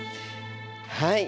はい。